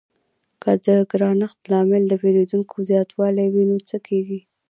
که د ګرانښت لامل د پیرودونکو زیاتوالی وي نو څه کیږي؟